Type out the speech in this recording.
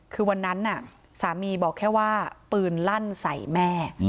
คือวันนั้นสามีบอกแค่ว่าปืนลั่นใส่แม่